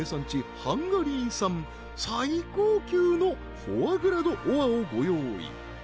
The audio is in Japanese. ハンガリー産最高級のフォアグラ・ド・オアをご用意